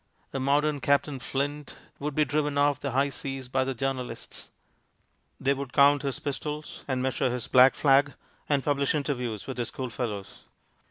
A THE PHILOSOPHY OF GAMBLING 211 modern Captain Flint would be driven oil the high seas by the journalists. They would count his pistols, and measure his black flag, and publish interviews with his school fellows.